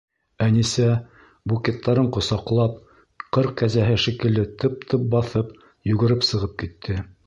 Әнисә, букеттарын ҡосаҡлап, ҡыр кәзәһе шикелле тып-тып баҫып, йүгереп сығып китте.